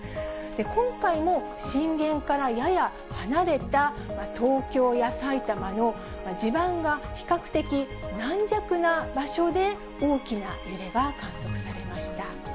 今回も震源からやや離れた東京や埼玉の地盤が比較的軟弱な場所で、大きな揺れが観測されました。